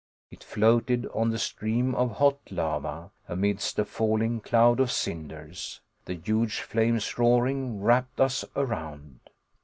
It floated on the stream of hot lava, amidst a falling cloud of cinders. The huge flames roaring, wrapped us around.